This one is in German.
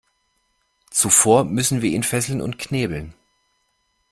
Zuvor müssen wir ihn fesseln und knebeln.